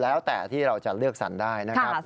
แล้วแต่ที่เราจะเลือกสรรได้นะครับ